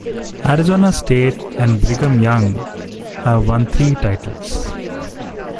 Arizona State and Brigham Young have won three titles.